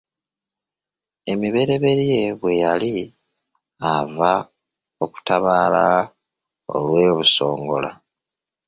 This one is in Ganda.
Emibereberye bwe yali ava okutabaala olw’e Busongola.